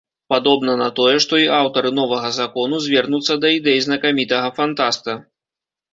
Падобна на тое, што і аўтары новага закону звернуцца да ідэй знакамітага фантаста.